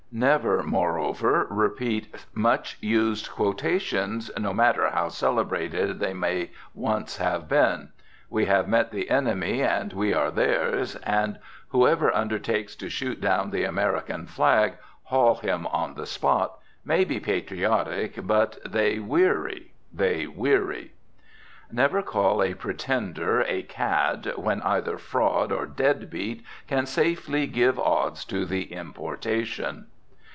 Never, moreover, repeat much used quotations, no matter how celebrated they may once have been. "We have met the enemy and we are theirs," and "Whoever undertakes to shoot down the American flag, haul him on the spot," may be patriotic, but they weary, they weary! Never call a pretender a "cad," when either "fraud" or "dead beat" can safely give odds to the importation.